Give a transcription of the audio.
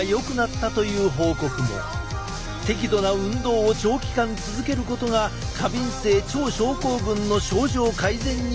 適度な運動を長期間続けることが過敏性腸症候群の症状改善には有効だ。